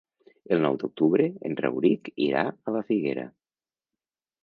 El nou d'octubre en Rauric irà a la Figuera.